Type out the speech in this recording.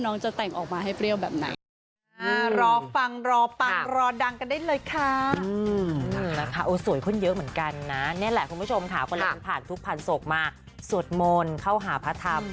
คนที่ผ่านทุกพันธุ์โศกมาสวดโมนเข้าหาพระธรรม